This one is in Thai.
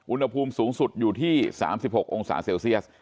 อุณหภูมิสูงสุดอยู่ที่๓๖องศาเซลเซียส